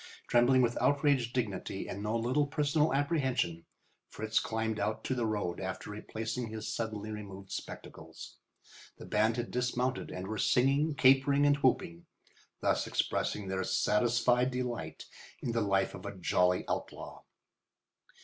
Trembling with outraged dignity and no little personal apprehension, Fritz climbed out to the road after replacing his suddenly removed spectacles. The band had dismounted and were singing, capering, and whooping, thus expressing their satisfied delight in the life of a jolly outlaw.